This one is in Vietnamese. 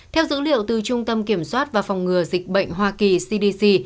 theo dữ liệu từ trung tâm kiểm soát và phòng ngừa dịch bệnh hoa kỳ cdc